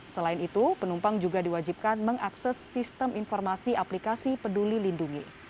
selain itu penumpang juga diwajibkan mengakses sistem informasi aplikasi peduli lindungi